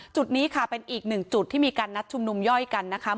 จุดนี้ค่ะเป็นอีกหนึ่งจุดที่มีการนัดชุมนุมย่อยกันนะคะ